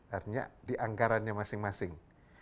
artinya dianggarannya masing masing